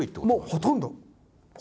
もうほとんど！